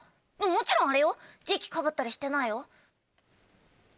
もちろんあれよ時期かぶったりしてないよ。